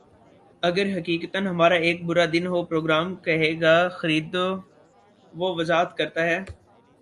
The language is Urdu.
اگر حقیقتا ہمارا ایک برا دن ہو پروگرام کہے گا خریدو وہ وضاحت کرتا ہے